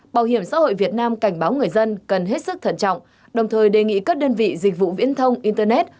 bảo hiểm xã hội việt nam cảnh báo người dân cần hết sức thận trọng đồng thời đề nghị các đơn vị dịch vụ viễn thông internet